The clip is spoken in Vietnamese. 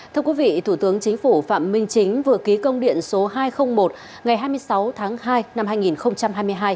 thưa quý vị thủ tướng chính phủ phạm minh chính vừa ký công điện số hai trăm linh một ngày hai mươi sáu tháng hai năm hai nghìn hai mươi hai